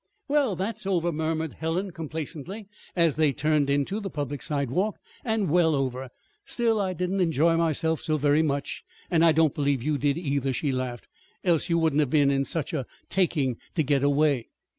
"Well, that's over," murmured Helen complacently, as they turned into the public sidewalk, "and well over! Still, I didn't enjoy myself so very much, and I don't believe you did, either," she laughed, "else you wouldn't have been in such a taking to get away."